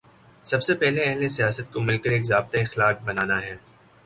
سب سے پہلے اہل سیاست کو مل کر ایک ضابطۂ اخلاق بنانا ہے۔